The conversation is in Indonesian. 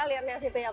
lihatnya situ ya pak